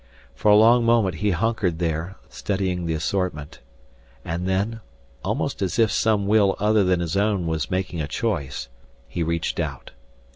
For a long moment he hunkered there, studying the assortment. And then, almost as if some will other than his own was making a choice, he reached out.